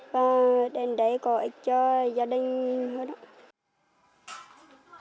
và đến đây có ích cho gia đình hơn